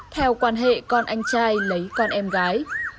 theo quan hệ con anh trai lấy con em gái